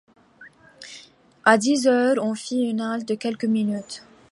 À dix heures, on fit une halte de quelques minutes.